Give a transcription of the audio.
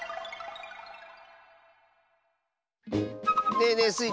ねえねえスイ